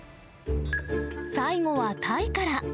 最後はタイから。